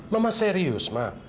mama serius ma